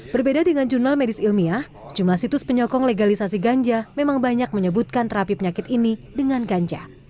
berbeda dengan jurnal medis ilmiah sejumlah situs penyokong legalisasi ganja memang banyak menyebutkan terapi penyakit ini dengan ganja